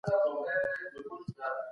بخښنه د تلپاتې سولي بنسټ جوړوي.